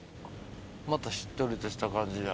またしっとりとした感じや。